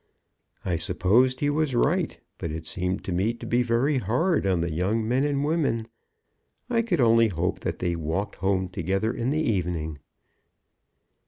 I supposed he was right, but it seemed to me to be very hard on the young men and women. I could only hope that they walked home together in the evening.